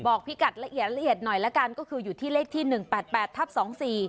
พี่กัดละเอียดละเอียดหน่อยละกันก็คืออยู่ที่เลขที่หนึ่งแปดแปดทับสองสี่